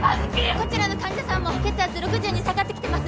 こちらの患者さんも血圧６０に下がってきてます